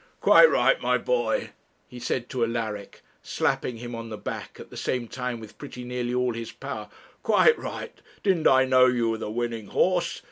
'Quite right, my boy, 'he said to Alaric, slapping him on the back at the same time with pretty nearly all his power 'quite right. Didn't I know you were the winning horse?